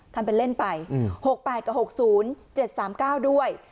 ทำเป็นเล่นไปหกแปดกับหกศูนย์เจ็ดสามเก้าด้วย